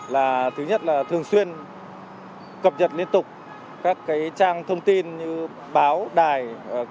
là thứ nhất là thường xuyên cập nhật liên tục các trang thông tin như báo đài